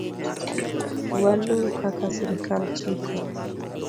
Waluw kaka sirkal chiko